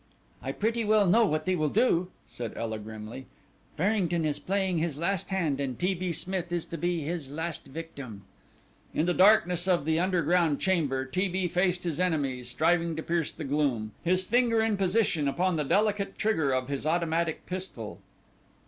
"I pretty well know what they will do," said Ela grimly. "Farrington is playing his last hand, and T. B. Smith is to be his last victim." In the darkness of the underground chamber T. B. faced his enemies, striving to pierce the gloom, his finger in position upon the delicate trigger of his automatic pistol.